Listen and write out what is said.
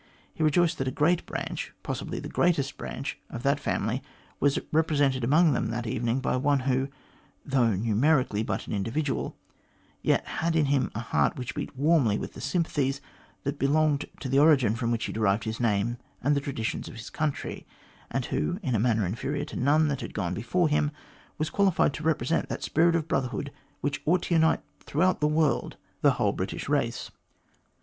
He rejoiced that a great branch possibly the greatest branch of that family was represented among them that evening by one who, though numerically but an individual, yet had in him a heart which beat warmly with the sympathies that belonged to the origin from which he derived his name and the traditions of his country, and who, in a manner inferior to none that had gone before him, was qualified to represent that spirit of brotherhood "which ought to unite throughout the world the whole British 250 THE GLADSTONE COLONY race.